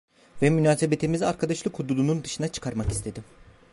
Ve münasebetimizi arkadaşlık hududunun dışına çıkarmak istedim…